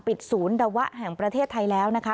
ศูนย์ดะวะแห่งประเทศไทยแล้วนะคะ